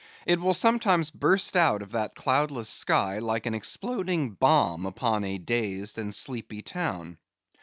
It will sometimes burst from out that cloudless sky, like an exploding bomb upon a dazed and sleepy town.